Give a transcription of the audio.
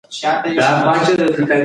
د وینې غوړ باید وڅارل شي.